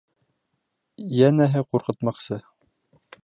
Йәнәһе, ҡурҡытмаҡсы.